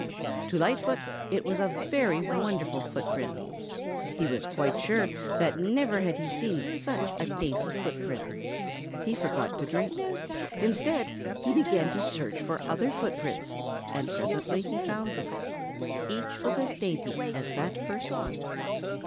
To Lightfoot it was a very wonderful footprint. He was quite sure that never had he seen such a dainty footprint. He forgot to drink. Instead, he began to search for other footprints, and presently he found them. Each was as dainty as that first one.